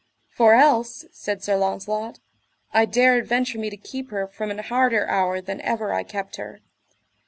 For else, said Sir Launcelot, I dare adventure me to keep her from an harder shour than ever I kept her.